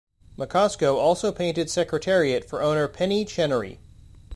Menasco also painted Secretariat for owner Penny Chenery.